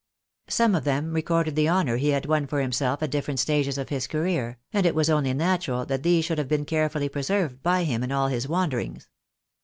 Some of them recorded the honour he had won for himself at different stages of his career, and it was only natural that these should have been carefully preserved by him in all his wanderings.